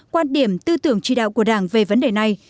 quan điểm tư tưởng chỉ đạo của đảng về vấn đề này